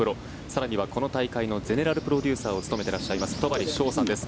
更にはこの大会のゼネラルプロデューサーを務めていらっしゃいます戸張捷さんです。